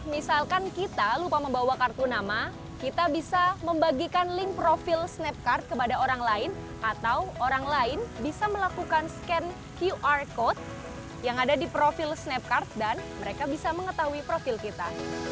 misalkan kita lupa membawa kartu nama kita bisa membagikan link profil snapcard kepada orang lain atau orang lain bisa melakukan scan qr code yang ada di profil snapcard dan mereka bisa mengetahui profil kita